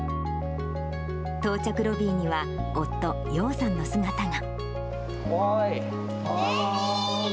到着ロビーには夫、楊さんの姿が。